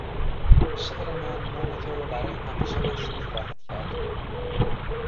شعر من نام تو را برای همیشه مشهور خواهد کرد.